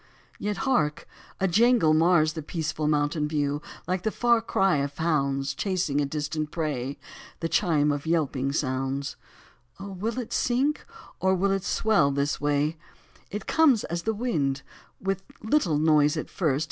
Yet, hark 1 a jangle mars The peaceful mountain view, 6i Like the far cry of hounds Chasing a distant prey : The chime of yelping sounds — Oh, will it sink, or will it swell this way ? It comes as comes the wind. With little noise at first.